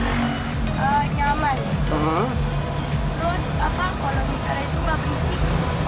terus kalau bicara itu nggak berisik